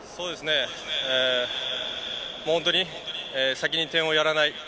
本当に先に点をやらない。